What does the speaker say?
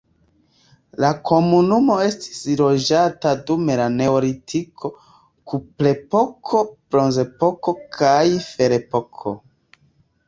La komunumo estis loĝata dum la neolitiko, kuprepoko, bronzepoko kaj ferepoko.